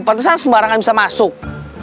pantesan sembarangan bisa masuk